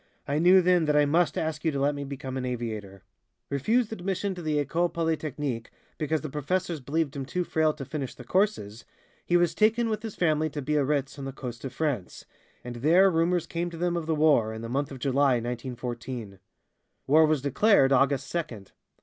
"I knew then that I must ask you to let me become an aviator." Refused admission to the École Polytechnique because the professors believed him too frail to finish the courses, he was taken with his family to Biarritz on the coast of France, and there rumors came to them of the war, in the month of July, 1914. War was declared August second.